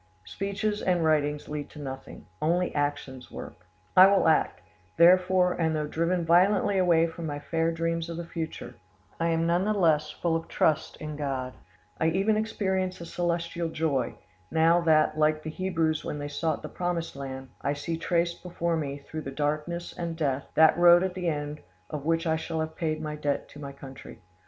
Speeches and writings lead to nothing; only actions work. "I will act, therefore; and though driven violently away from my fair dreams of the future, I am none the less full of trust in God; I even experience a celestial joy, now that, like the Hebrews when they sought the promised land, I see traced before me, through darkness and death, that road at the end of which I shall have paid my debt to my country.